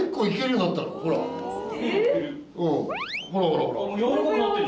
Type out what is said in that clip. うんほらほらほら。